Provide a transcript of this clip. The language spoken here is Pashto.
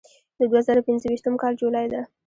د دوه زره پنځه ویشتم کال جولای ده.